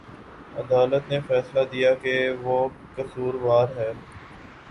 عدالت نے فیصلہ دیا کہ وہ قصوروار ہے